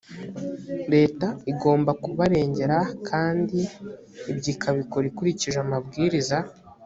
leta igomba kubarengera, kandi ibyo ikabikora ikurikije amabwiriza